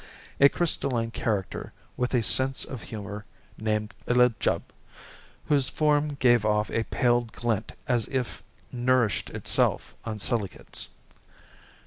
A crystalline character with a sense of humor named Lljub, whose form gave off a paled glint as it nourished itself on silicates.